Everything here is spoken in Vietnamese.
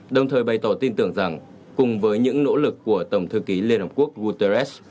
đồng thời bày tỏ tin tưởng rằng cùng với những nỗ lực của tổng thư ký liên hợp quốc guterres